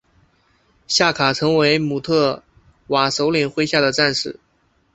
夏卡成为姆特瓦首领麾下的战士。